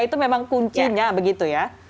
itu memang kuncinya begitu ya